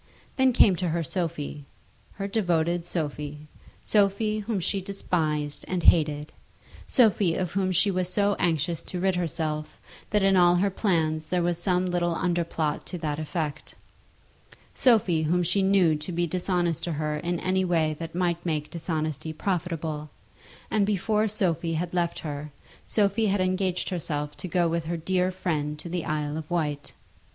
Then came to her Sophie, her devoted Sophie, Sophie whom she despised and hated; Sophie of whom she was so anxious to rid herself that in all her plans there was some little under plot to that effect; Sophie whom she knew to be dishonest to her in any way that might make dishonesty profitable; and before Sophie had left her, Sophie had engaged herself to go with her dear friend to the Isle of Wight!